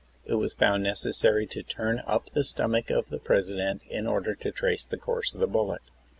It was found necessary to turn up the stomach of the President in order to trace the course of the bullet.